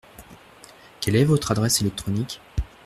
Quelle est votre adresse électronique ?